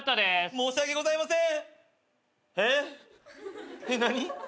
申し訳ございません。